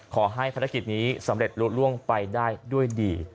ภารกิจนี้สำเร็จลุดล่วงไปได้ด้วยดี